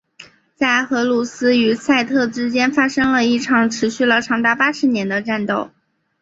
在荷鲁斯与赛特之间发生了一场持续了长达八十年的战斗。